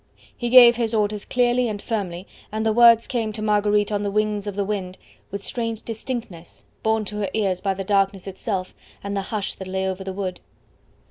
He gave his orders clearly and firmly, and the words came to Marguerite on the wings of the wind with strange distinctness, borne to her ears by the darkness itself, and the hush that lay over the wood.